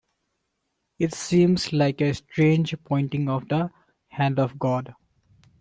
It seems like a strange pointing of the hand of God.